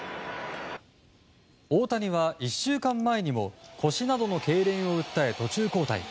大谷は１週間前にも腰などのけいれんを訴え途中交代。